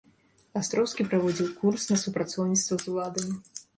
Астроўскі праводзіў курс на супрацоўніцтва з уладамі.